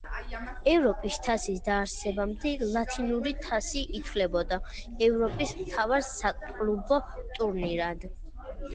ევროპის თასის დაარსებამდე ლათინური თასი ითვლებოდა ევროპის მთავარ საკლუბო ტურნირად.